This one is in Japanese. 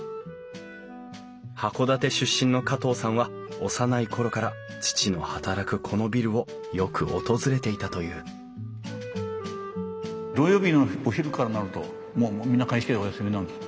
函館出身の加藤さんは幼い頃から父の働くこのビルをよく訪れていたという土曜日のお昼からなるともうみんな会社お休みなんです。